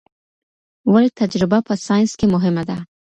ولي تجربه په ساينس کي مهمه ده؟